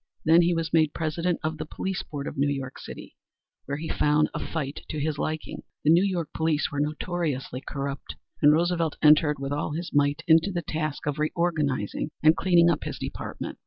Then he was made President of the Police Board of New York City, where he found a fight to his liking. The New York police were notoriously corrupt, and Roosevelt entered with all his might into the task of reorganizing and cleaning up his department.